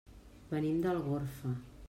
Venim d'Algorfa.